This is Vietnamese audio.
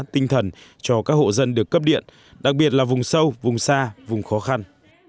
tinh thần cho các hộ dân được cấp điện đặc biệt là vùng sâu vùng xa vùng khó khăn